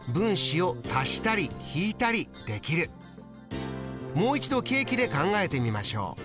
もう一度ケーキで考えてみましょう。